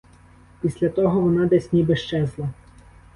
Після того вона десь ніби щезла.